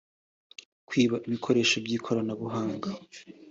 kwiba ibikoresho by’ ikoranabuhanga